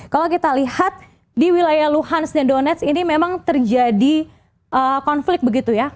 kalau kita lihat di wilayah luhans dan donets ini memang terjadi konflik begitu ya